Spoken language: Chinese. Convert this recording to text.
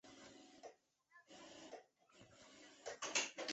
龙骨砂藓为紫萼藓科砂藓属下的一个种。